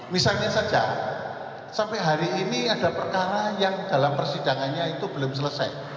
misalnya saja sampai hari ini ada perkara yang dalam persidangannya itu belum selesai